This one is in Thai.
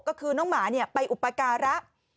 ก็คือน้องหมาไปอุปการะ